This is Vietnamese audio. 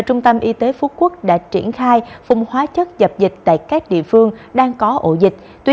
trung tâm y tế phú quốc đã triển khai phun hóa chất dập dịch tại các địa phương đang có ổ dịch tuy